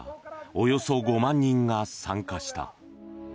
およそ５万人が参加した。